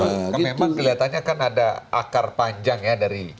ini memang kelihatannya kan ada akar panjang ya dari